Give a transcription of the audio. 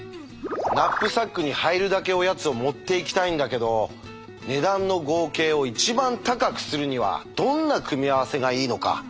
ナップサックに入るだけおやつを持っていきたいんだけど値段の合計を一番高くするにはどんな組み合わせがいいのか。